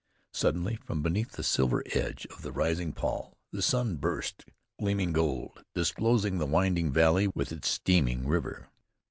Suddenly from beneath the silver edge of the rising pall the sun burst gleaming gold, disclosing the winding valley with its steaming river.